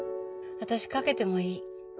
私賭けてもいい。